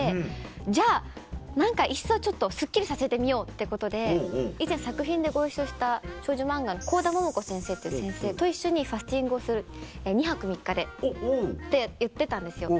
じゃあいっそちょっとすっきりさせてみようってことで以前作品でご一緒した少女漫画の幸田もも子先生と一緒にファスティングをする２泊３日でって言ってたんですよ。